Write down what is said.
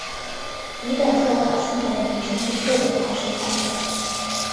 乙等特考现在的名称是特种考试三等。